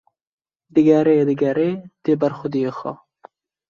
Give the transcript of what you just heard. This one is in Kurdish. digere digere tê ber xwediyê xwe